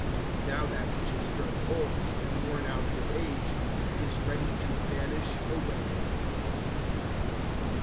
Now that which is grown old, and worn out with age, is ready to vanish away.